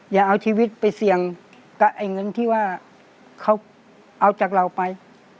อย่าเอาชีวิตไปเสี่ยงกับไอ้เงินที่ว่าเขาเอาจากเราไป